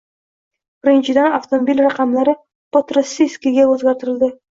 Birinchidan, avtomobil raqamlari "Podrossiyskiy" ga o'zgartirildi